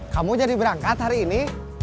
kamu jadi berangkat hari ini